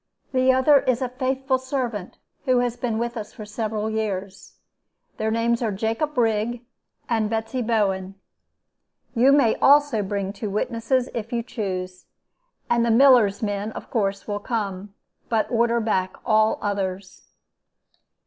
The other is a faithful servant, who has been with us for several years. Their names are Jacob Rigg and Betsy Bowen. You may also bring two witnesses, if you choose. And the miller's men, of course, will come. But order back all others.'